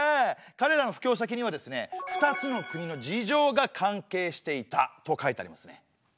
かれらの布教先にはですね２つの国の事情が関係していたと書いてありますね。